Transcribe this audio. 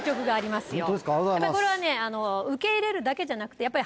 これはね受け入れるだけじゃなくて。